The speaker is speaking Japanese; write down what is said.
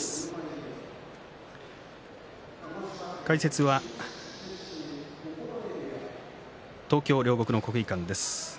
解説は東京・両国の国技館です。